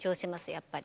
やっぱり。